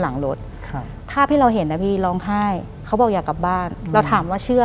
หลังจากนั้นเราไม่ได้คุยกันนะคะเดินเข้าบ้านอืม